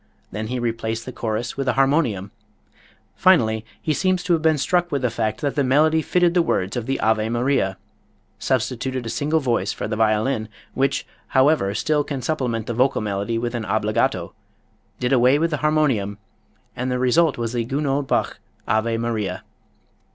Then he replaced the chorus with a harmonium. Finally he seems to have been struck with the fact that the melody fitted the words of the "Ave Maria," substituted a single voice for the violin, which, however, still can supplement the vocal melody with an obbligato, did away with the harmonium, and the result was the Gounod Bach "Ave Maria."